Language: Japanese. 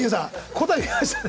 答え見ましたね。